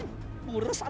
main curang rupanya